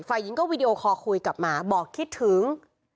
ฝ่ายหญิงก็วีดีโอคอลคุยกลับมาบอกคิดถึง